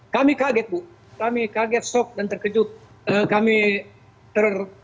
kami kaget bu kami kaget shock dan terkejut